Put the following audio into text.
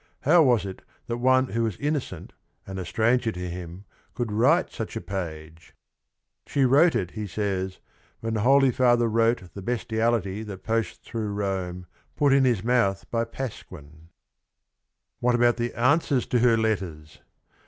How was it that one who was innocent and a stranger to him could write such a page ? '"She wrote it,'" he says, "'when the Holy Father wrote The bestiality that posts thro' Rome, Put in his mouth by Pasquin.' " CAPONSACCHI 89 What about the answers to her letters?